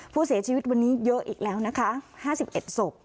ผู้เสียชีวิตวันนี้เยอะอีกแล้วนะคะ๕๑ศพ